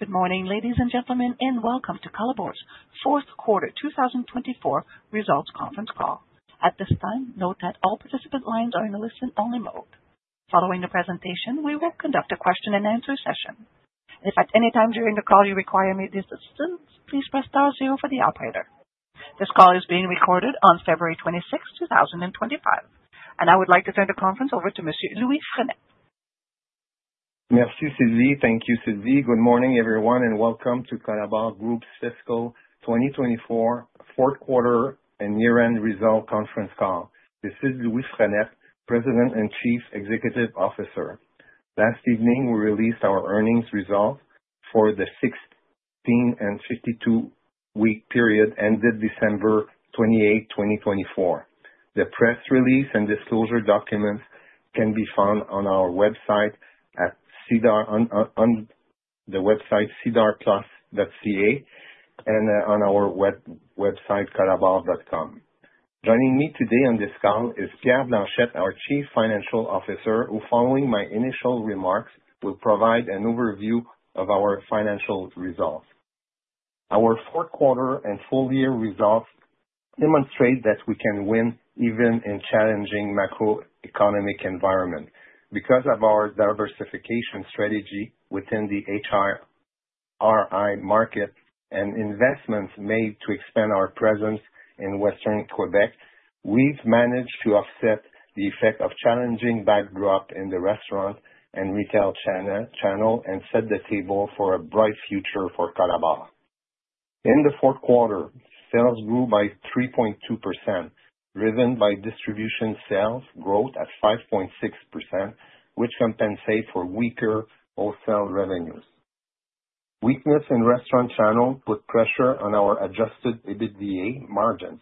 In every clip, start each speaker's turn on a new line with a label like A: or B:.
A: Good morning, ladies and gentlemen, and welcome to Colabor's Fourth Quarter 2024 Results Conference Call. At this time, note that all participant lines are in a listen-only mode. Following the presentation, we will conduct a question-and-answer session. If at any time during the call you require my assistance, please press star zero for the operator. This call is being recorded on February 26, 2025, and I would like to turn the conference over to Mr. Louis Frenette.
B: Merci, Sylvie. Thank you, Sylvie. Good morning, everyone, and welcome to Colabor Group's Fiscal 2024 Fourth Quarter and Year-End Results Conference Call. This is Louis Frenette, President and Chief Executive Officer. Last evening, we released our earnings results for the 16 and 52-week period ended December 28, 2024. The press release and disclosure documents can be found on our website at the website alimplus.ca and on our website colabor.com. Joining me today on this call is Pierre Blanchette, our Chief Financial Officer, who, following my initial remarks, will provide an overview of our financial results. Our fourth quarter and full-year results demonstrate that we can win even in challenging macroeconomic environments. Because of our diversification strategy within the HRI market and investments made to expand our presence in Western Quebec, we've managed to offset the effect of challenging backdrop in the restaurant and retail channel and set the table for a bright future for Colabor. In the fourth quarter, sales grew by 3.2%, driven by distribution sales growth at 5.6%, which compensates for weaker wholesale revenues. Weakness in restaurant channels put pressure on our adjusted EBITDA margins,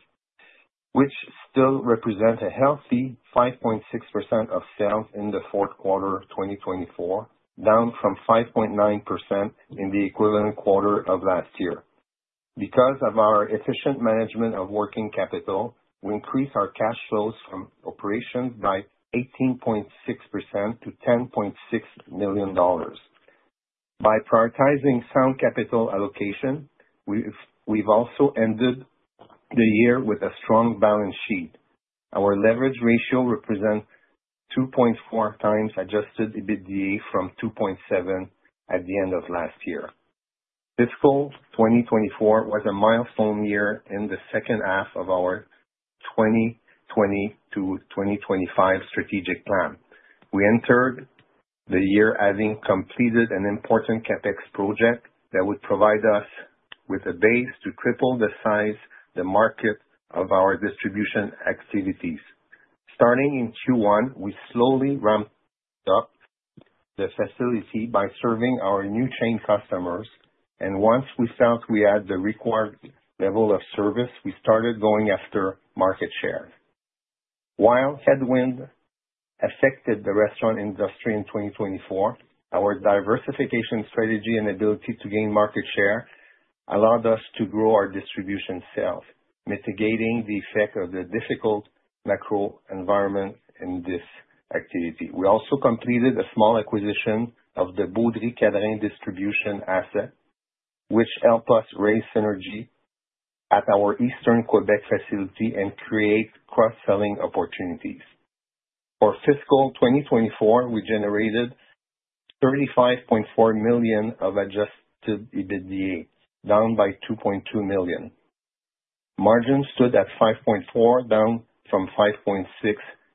B: which still represent a healthy 5.6% of sales in the fourth quarter 2024, down from 5.9% in the equivalent quarter of last year. Because of our efficient management of working capital, we increased our cash flows from operations by 18.6% to 10.6 million dollars. By prioritizing sound capital allocation, we've also ended the year with a strong balance sheet. Our leverage ratio represents 2.4 times adjusted EBITDA from 2.7 at the end of last year. Fiscal 2024 was a milestone year in the second half of our 2020 to 2025 strategic plan. We entered the year having completed an important CapEx project that would provide us with a base to triple the size and market of our distribution activities. Starting in Q1, we slowly ramped up the facility by serving our new chain customers, and once we felt we had the required level of service, we started going after market share. While headwinds affected the restaurant industry in 2024, our diversification strategy and ability to gain market share allowed us to grow our distribution sales, mitigating the effect of the difficult macro environment in this activity. We also completed a small acquisition of the Beaudry & Cadrin distribution asset, which helped us raise synergy at our Eastern Quebec facility and create cross-selling opportunities. For Fiscal 2024, we generated 35.4 million of adjusted EBITDA, down by 2.2 million. Margins stood at 5.4%, down from 5.6%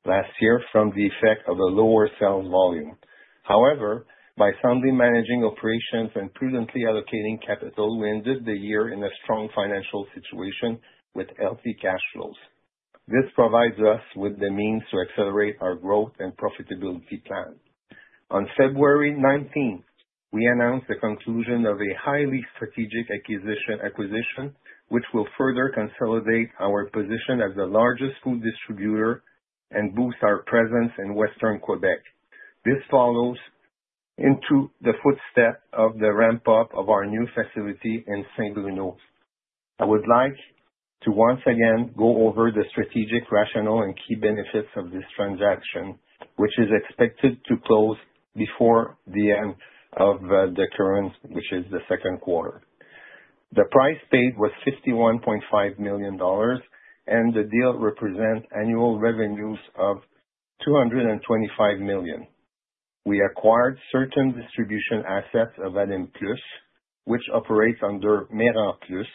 B: last year from the effect of a lower sales volume. However, by soundly managing operations and prudently allocating capital, we ended the year in a strong financial situation with healthy cash flows. This provides us with the means to accelerate our growth and profitability plan. On February 19, we announced the conclusion of a highly strategic acquisition, which will further consolidate our position as the largest food distributor and boost our presence in Western Quebec. This follows into the footstep of the ramp-up of our new facility in Saint-Bruno. I would like to once again go over the strategic rationale and key benefits of this transaction, which is expected to close before the end of the current, which is the second quarter. The price paid was 51.5 million dollars, and the deal represents annual revenues of 225 million. We acquired certain distribution assets of Alimplus, which operates under Mayrand Plus,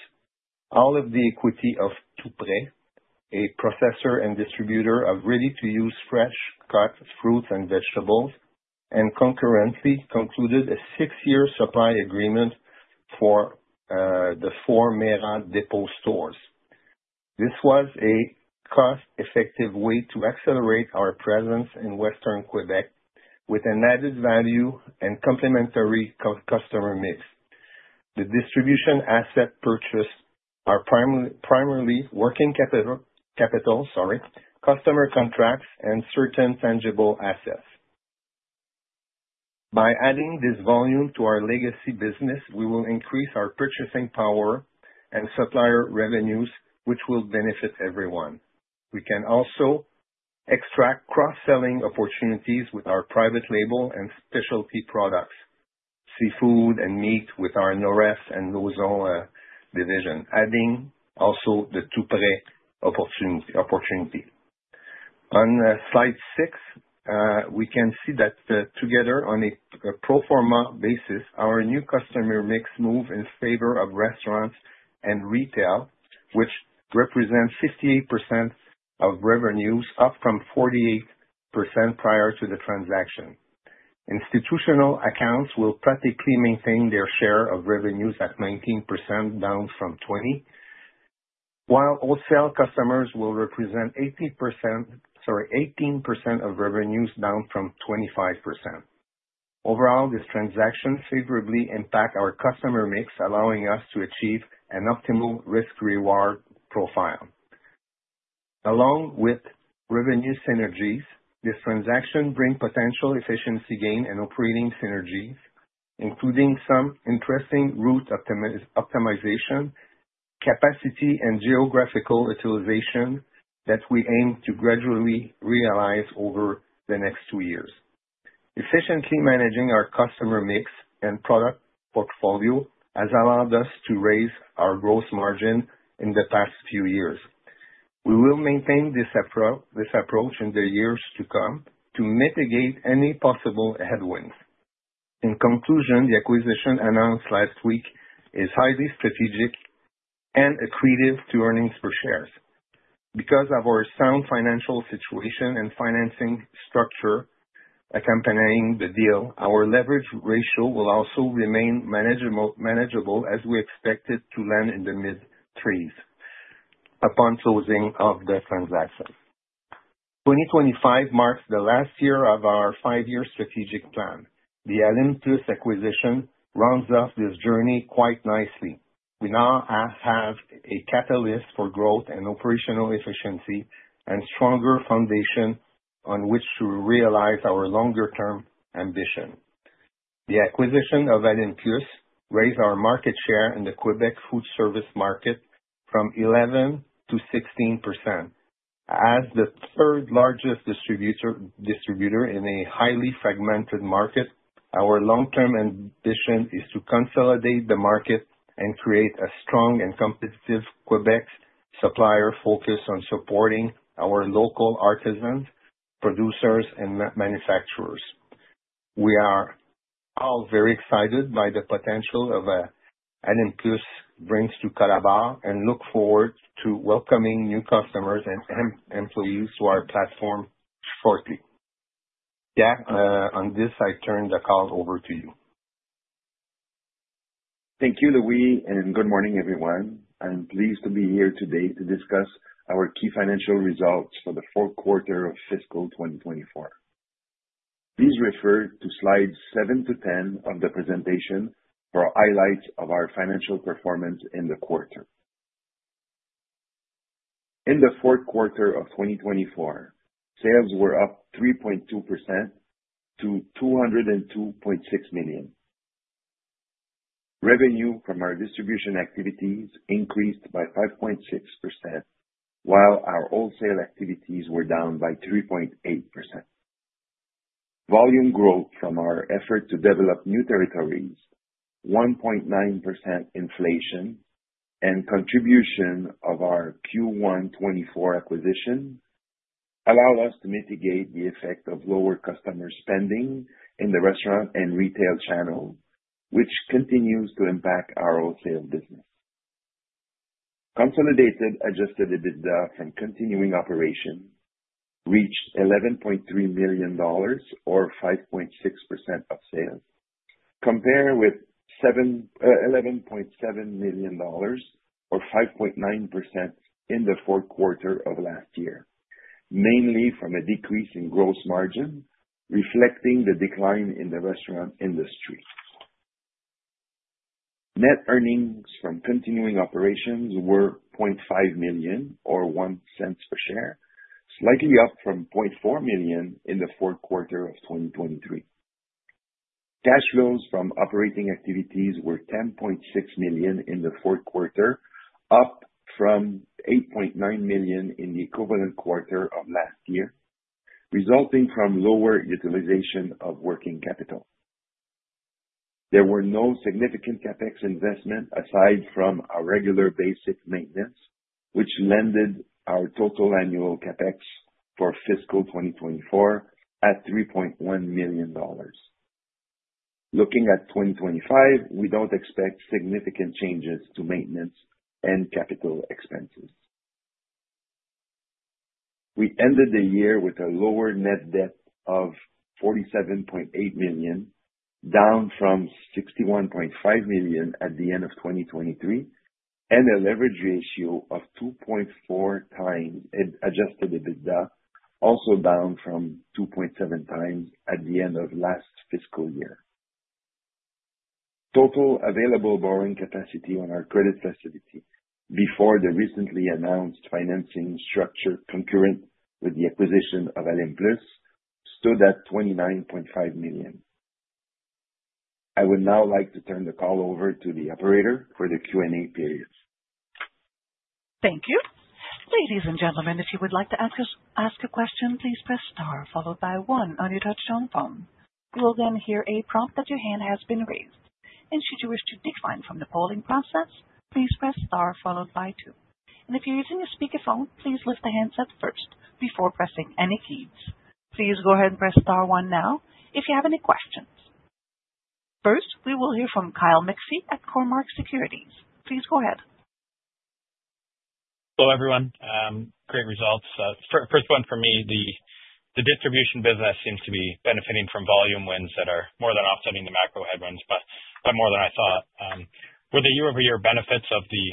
B: all of the equity of Tout-Prêt, a processor and distributor of ready-to-use fresh-cut fruits and vegetables, and concurrently concluded a six-year supply agreement for the four Mayrand Depot stores. This was a cost-effective way to accelerate our presence in Western Quebec with an added value and complementary customer mix. The distribution assets purchased are primarily customer contracts and certain tangible assets. By adding this volume to our legacy business, we will increase our purchasing power and supplier revenues, which will benefit everyone. We can also extract cross-selling opportunities with our private label and specialty products, seafood and meat with our Norref & Lauzon division, adding also the Tout-Prêt opporttunity. On slide 6, we can see that together, on a pro forma basis, our new customer mix moved in favor of restaurants and retail, which represents 58% of revenues, up from 48% prior to the transaction. Institutional accounts will practically maintain their share of revenues at 19%, down from 20%, while wholesale customers will represent 18% of revenues, down from 25%. Overall, this transaction favorably impacts our customer mix, allowing us to achieve an optimal risk-reward profile. Along with revenue synergies, this transaction brings potential efficiency gain and operating synergies, including some interesting route optimization, capacity, and geographical utilization that we aim to gradually realize over the next two years. Efficiently managing our customer mix and product portfolio has allowed us to raise our gross margin in the past few years. We will maintain this approach in the years to come to mitigate any possible headwinds. In conclusion, the acquisition announced last week is highly strategic and accretive to earnings per share. Because of our sound financial situation and financing structure accompanying the deal, our leverage ratio will also remain manageable as we expect it to land in the mid-threes upon closing of the transaction. 2025 marks the last year of our five-year strategic plan. The Alimplus acquisition rounds off this journey quite nicely. We now have a catalyst for growth and operational efficiency and a stronger foundation on which to realize our longer-term ambition. The acquisition of Alimplus raised our market share in the Quebec food service market from 11% to 16%. As the third-largest distributor in a highly fragmented market, our long-term ambition is to consolidate the market and create a strong and competitive Quebec supplier focused on supporting our local artisans, producers, and manufacturers. We are all very excited by the potential that Alimplus brings to Colabor and look forward to welcoming new customers and employees to our platform shortly. Pierre Blanchette, on this, I turn the call over to you.
C: Thank you, Louis, and good morning, everyone. I'm pleased to be here today to discuss our key financial results for the fourth quarter of Fiscal 2024. Please refer to slides 7-10 of the presentation for highlights of our financial performance in the quarter. In the fourth quarter of 2024, sales were up 3.2% to 202.6 million. Revenue from our distribution activities increased by 5.6%, while our wholesale activities were down by 3.8%. Volume growth from our effort to develop new territories, 1.9% inflation, and contribution of our Q1 2024 acquisition allowed us to mitigate the effect of lower customer spending in the restaurant and retail channel, which continues to impact our wholesale business. Consolidated adjusted EBITDA from continuing operations reached 11.3 million dollars, or 5.6% of sales, compared with 11.7 million dollars, or 5.9%, in the fourth quarter of last year, mainly from a decrease in gross margin, reflecting the decline in the restaurant industry. Net earnings from continuing operations were 0.5 million, or 1 cent per share, slightly up from 0.4 million in the fourth quarter of 2023. Cash flows from operating activities were 10.6 million in the fourth quarter, up from 8.9 million in the equivalent quarter of last year, resulting from lower utilization of working capital. There were no significant CapEx investments aside from our regular basic maintenance, which landed our total annual CapEx for fiscal 2024 at 3.1 million dollars. Looking at 2025, we do not expect significant changes to maintenance and capital expenses. We ended the year with a lower net debt of 47.8 million, down from 61.5 million at the end of 2023, and a leverage ratio of 2.4 times adjusted EBITDA, also down from 2.7 times at the end of last fiscal year. Total available borrowing capacity on our credit facility before the recently announced financing structure concurrent with the acquisition of Alimplus stood at 29.5 million. I would now like to turn the call over to the operator for the Q&A period.
A: Thank you. Ladies and gentlemen, if you would like to ask a question, please press star followed by one on your touch-tone phone. You will then hear a prompt that your hand has been raised. Should you wish to decline from the polling process, please press star followed by two. If you're using a speakerphone, please lift the handset first before pressing any keys. Please go ahead and press star one now if you have any questions. First, we will hear from Kyle McPhee at Cormark Securities. Please go ahead.
D: Hello, everyone. Great results. First one for me, the distribution business seems to be benefiting from volume wins that are more than offsetting the macro headwinds, but more than I thought. Were the year-over-year benefits of the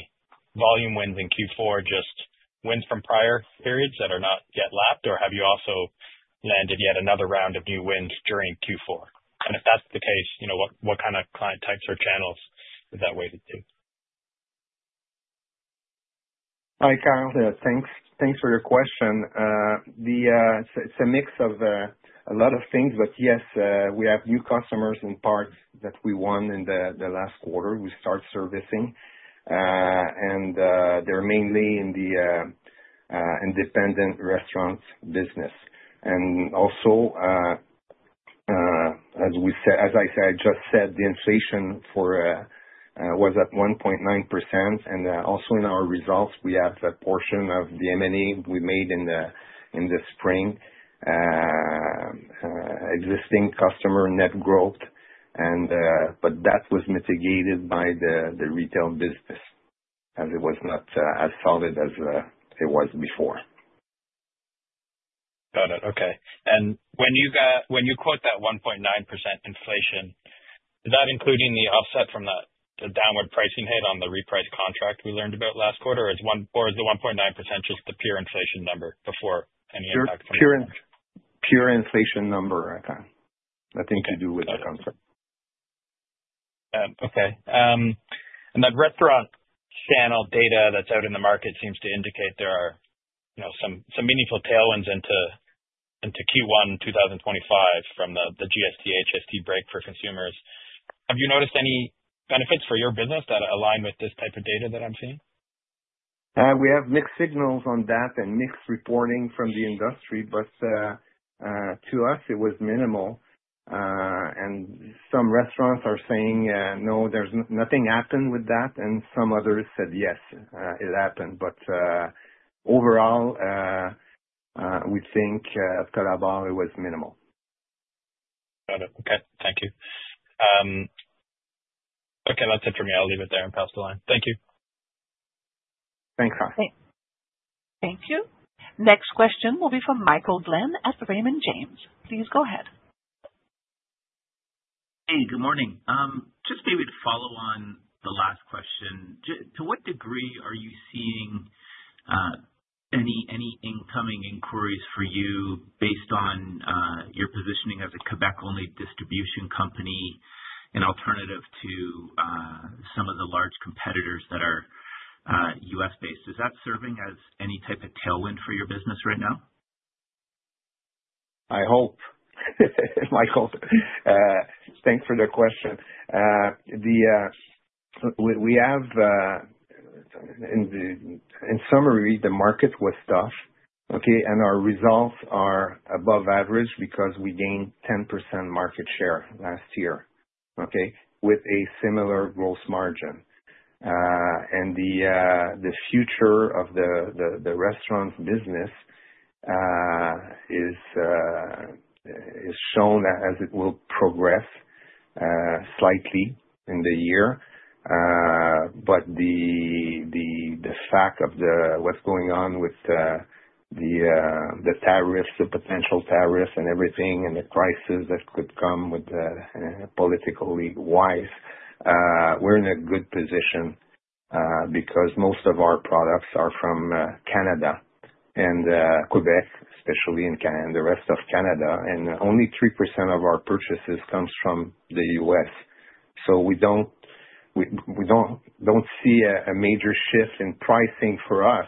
D: volume wins in Q4 just wins from prior periods that are not yet lapped, or have you also landed yet another round of new wins during Q4? If that's the case, what kind of client types or channels is that way to do?
B: Hi, Kyle. Thanks for your question. It's a mix of a lot of things, but yes, we have new customers in parts that we won in the last quarter we start servicing. They're mainly in the independent restaurant business. Also, as I just said, the inflation was at 1.9%. Also in our results, we have a portion of the M&A we made in the spring, existing customer net growth, but that was mitigated by the retail business as it was not as solid as it was before.
D: Got it. Okay. When you quote that 1.9% inflation, is that including the offset from the downward pricing hit on the reprice contract we learned about last quarter, or is the 1.9% just the pure inflation number before any impact from the?
B: Pure inflation number, I think. Nothing to do with the contract.
D: Okay. That restaurant channel data that's out in the market seems to indicate there are some meaningful tailwinds into Q1 2025 from the GST/HST break for consumers. Have you noticed any benefits for your business that align with this type of data that I'm seeing?
B: We have mixed signals on that and mixed reporting from the industry, but to us, it was minimal. Some restaurants are saying, "No, there's nothing happened with that," and some others said, "Yes, it happened." Overall, we think at Colabor, it was minimal.
D: Got it. Okay. Thank you. Okay. That's it for me. I'll leave it there and pass the line. Thank you.
B: Thanks, Kyle.
A: Thank you. Next question will be from Michael Glen at Raymond James. Please go ahead.
E: Hey, good morning. Just maybe to follow on the last question, to what degree are you seeing any incoming inquiries for you based on your positioning as a Quebec-only distribution company in alternative to some of the large competitors that are US-based? Is that serving as any type of tailwind for your business right now?
B: I hope. Michael, thanks for the question. In summary, the market was tough, okay, and our results are above average because we gained 10% market share last year, okay, with a similar gross margin. The future of the restaurant business is shown as it will progress slightly in the year. The fact of what's going on with the tariffs, the potential tariffs, and everything, and the crisis that could come politically-wise, we're in a good position because most of our products are from Canada and Quebec, especially in the rest of Canada. Only 3% of our purchases come from the U.S. We do not see a major shift in pricing for us,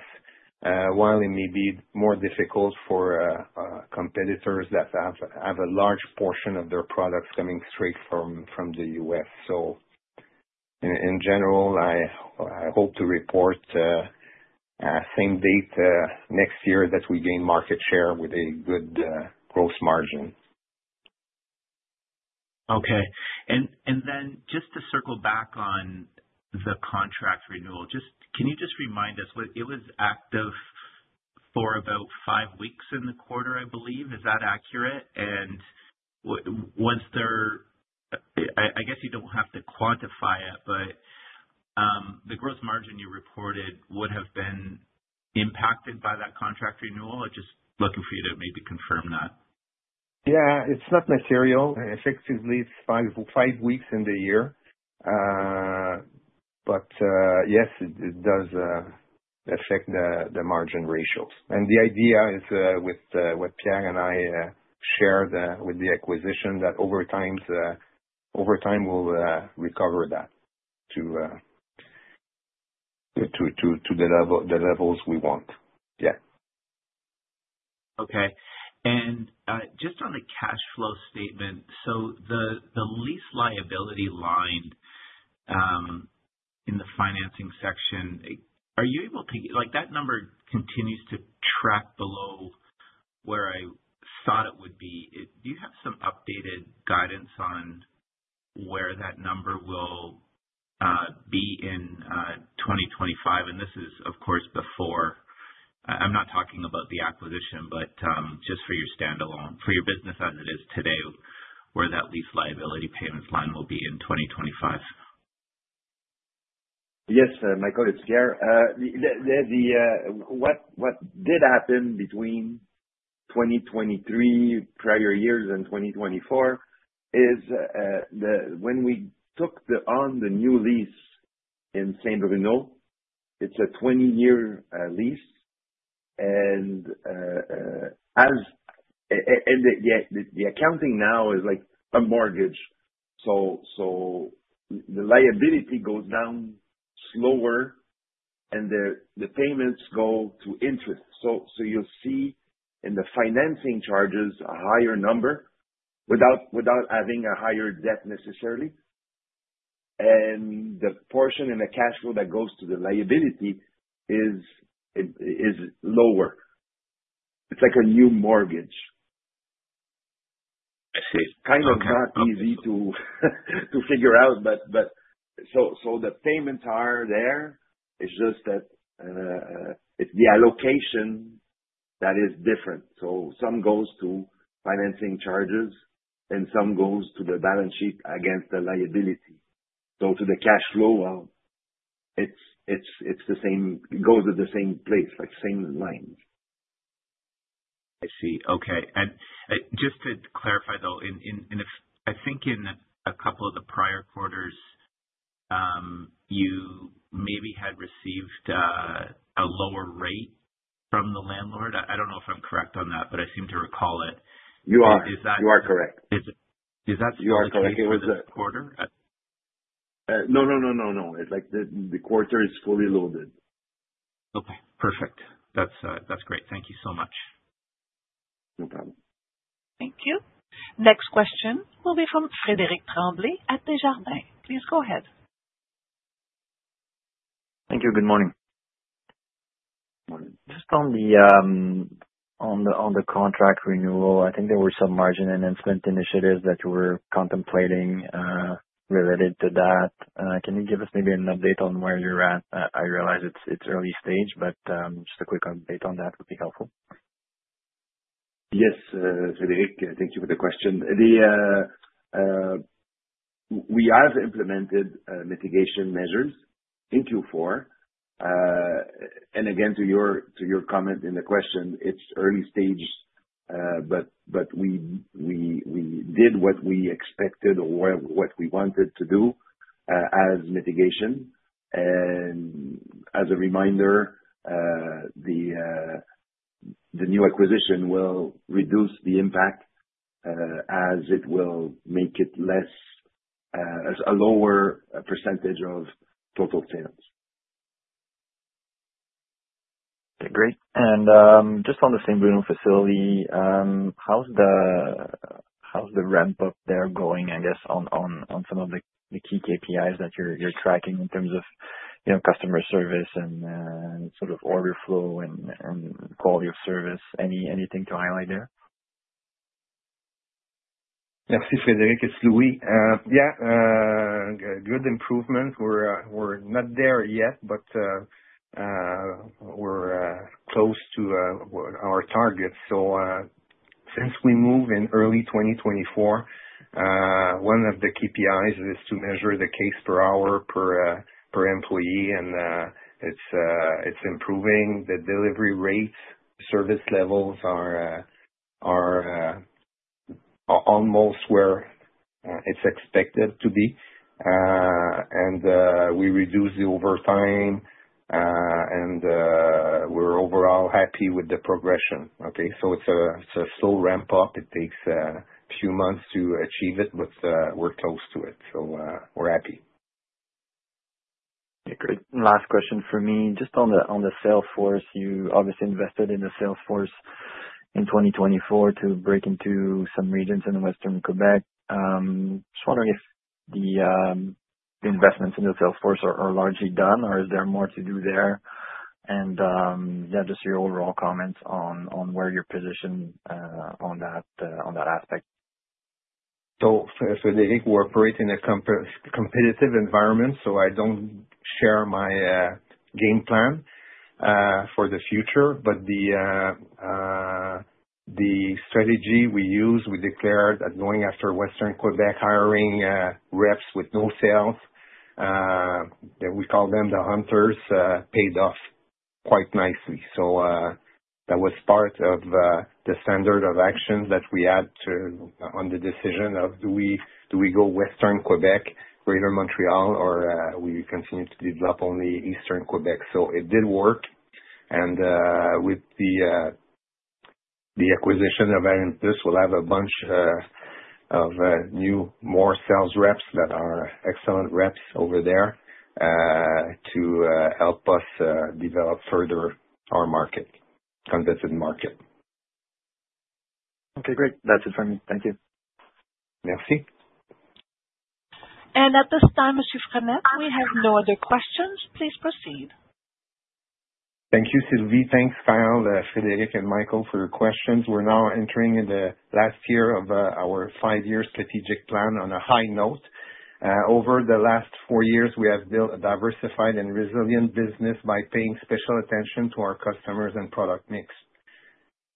B: while it may be more difficult for competitors that have a large portion of their products coming straight from the U.S. In general, I hope to report same date next year that we gain market share with a good gross margin.
E: Okay. Just to circle back on the contract renewal, can you just remind us it was active for about five weeks in the quarter, I believe? Is that accurate? I guess you do not have to quantify it, but the gross margin you reported would have been impacted by that contract renewal? Just looking for you to maybe confirm that.
B: Yeah. It's not material. Effectively, it's five weeks in the year. Yes, it does affect the margin ratios. The idea is with what Pierre and I shared with the acquisition that over time we'll recover that to the levels we want. Yeah.
E: Okay. Just on the cash flow statement, the lease liability line in the financing section, are you able to, that number continues to track below where I thought it would be. Do you have some updated guidance on where that number will be in 2025? This is, of course, before, I am not talking about the acquisition, but just for your standalone, for your business as it is today, where that lease liability payments line will be in 2025.
C: Yes, Michael, it's Pierre. What did happen between 2023, prior years, and 2024 is when we took on the new lease in Saint-Bruno, it's a 20-year lease. The accounting now is like a mortgage. The liability goes down slower, and the payments go to interest. You will see in the financing charges a higher number without having a higher debt necessarily. The portion in the cash flow that goes to the liability is lower. It's like a new mortgage. Kind of not easy to figure out. The payments are there. It's just that the allocation is different. Some goes to financing charges, and some goes to the balance sheet against the liability. To the cash flow, it goes to the same place, same line.
E: I see. Okay. Just to clarify, though, I think in a couple of the prior quarters, you maybe had received a lower rate from the landlord. I do not know if I am correct on that, but I seem to recall it.
C: You are. You are correct.
E: Is that the first quarter?
C: No, no. The quarter is fully loaded.
E: Okay. Perfect. That's great. Thank you so much.
C: No problem.
A: Thank you. Next question will be from Frédéric Tremblay at Desjardins. Please go ahead.
F: Thank you. Good morning. Just on the contract renewal, I think there were some margin enhancement initiatives that you were contemplating related to that. Can you give us maybe an update on where you're at? I realize it's early stage, but just a quick update on that would be helpful.
C: Yes, Frédéric, thank you for the question. We have implemented mitigation measures in Q4. To your comment in the question, it's early stage, but we did what we expected or what we wanted to do as mitigation. As a reminder, the new acquisition will reduce the impact as it will make it less a lower percentage of total sales.
F: Great. Just on the Saint-Bruno facility, how's the ramp-up there going, I guess, on some of the key KPIs that you're tracking in terms of customer service and sort of order flow and quality of service? Anything to highlight there?
B: Merci, Frédéric. It's Louis. Yeah. Good improvement. We're not there yet, but we're close to our target. Since we moved in early 2024, one of the KPIs is to measure the case per hour per employee, and it's improving. The delivery rates, service levels are almost where it's expected to be. We reduced the overtime, and we're overall happy with the progression. Okay. It's a slow ramp-up. It takes a few months to achieve it, but we're close to it. We're happy.
F: Okay. Great. Last question for me. Just on the sales force, you obviously invested in the sales force in 2024 to break into some regions in Western Quebec. Just wondering if the investments in the sales force are largely done, or is there more to do there? Yeah, just your overall comments on where you're positioned on that aspect.
B: Frédéric, we operate in a competitive environment, so I don't share my game plan for the future. The strategy we use, we declared that going after Western Quebec, hiring reps with no sales, we call them the hunters, paid off quite nicely. That was part of the standard of action that we had on the decision of, do we go Western Quebec, Greater Montreal, or we continue to develop only Eastern Quebec? It did work. With the acquisition of Alimplus, we'll have a bunch of new, more sales reps that are excellent reps over there to help us develop further our market, competitive market.
F: Okay. Great. That's it for me. Thank you.
B: Merci.
A: At this time, Monsieur Frenette, we have no other questions. Please proceed.
B: Thank you, Sylvie. Thanks, Kyle, Frédéric, and Michael for your questions. We are now entering the last year of our five-year strategic plan on a high note. Over the last four years, we have built a diversified and resilient business by paying special attention to our customers and product mix.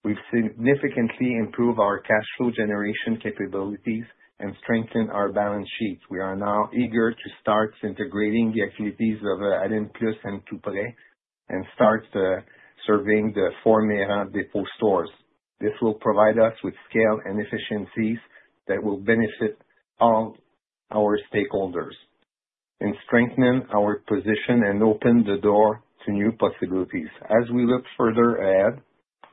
B: We have significantly improved our cash flow generation capabilities and strengthened our balance sheet. We are now eager to start integrating the activities of Alimplus and Tout-Prêt and start serving the four Mayrand Depot Stores. This will provide us with scale and efficiencies that will benefit all our stakeholders and strengthen our position and open the door to new possibilities. As we look further ahead,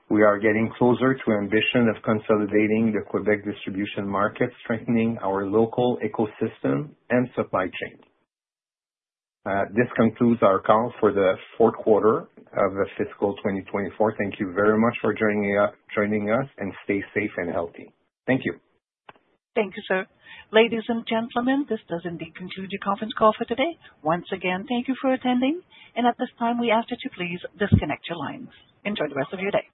B: we are getting closer to the ambition of consolidating the Quebec distribution market, strengthening our local ecosystem, and supply chain. This concludes our call for the fourth quarter of fiscal 2024. Thank you very much for joining us, and stay safe and healthy. Thank you.
A: Thank you, sir. Ladies and gentlemen, this does indeed conclude your conference call for today. Once again, thank you for attending. At this time, we ask that you please disconnect your lines. Enjoy the rest of your day.